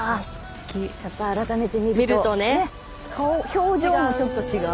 やっぱり改めて見るとね表情もちょっと違う。